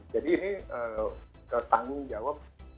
jadi ini tanggung jawab